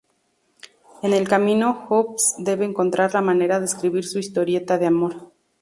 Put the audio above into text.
En el camino, Hoops debe encontrar la manera de escribir su historieta de amor.